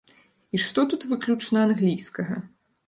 І што тут выключна англійскага?